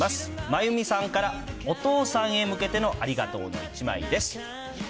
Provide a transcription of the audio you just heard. まゆみさんから、お父さんへ向けてのありがとうの１枚です。